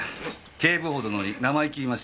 警部補殿に生意気言いました。